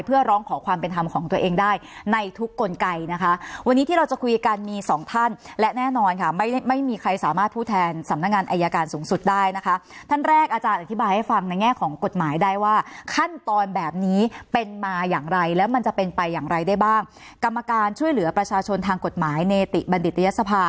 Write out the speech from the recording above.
เพื่อร้องขอความเป็นธรรมของตัวเองได้ในทุกกลไกนะคะวันนี้ที่เราจะคุยกันมีสองท่านและแน่นอนค่ะไม่ได้ไม่มีใครสามารถผู้แทนสำนักงานอายการสูงสุดได้นะคะท่านแรกอาจารย์อธิบายให้ฟังในแง่ของกฎหมายได้ว่าขั้นตอนแบบนี้เป็นมาอย่างไรแล้วมันจะเป็นไปอย่างไรได้บ้างกรรมการช่วยเหลือประชาชนทางกฎหมายในติบัณฑิตยศภา